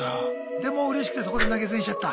でもううれしくてそこで投げ銭しちゃった？